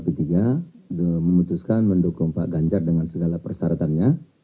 p tiga memutuskan mendukung pak ganjar dengan segala persyaratannya